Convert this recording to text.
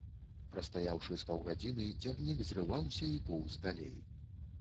Прастаяўшы з паўгадзіны, цягнік зрываўся і поўз далей.